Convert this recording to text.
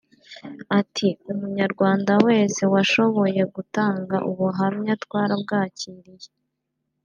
ati ʺUmunyarwanda wese washoboye gutanga ubuhamya twarabwakiriye